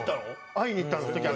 会いに行った時。